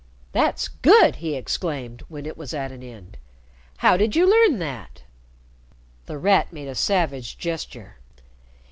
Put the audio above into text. "That's good!" he exclaimed when it was at an end. "How did you learn that?" The Rat made a savage gesture.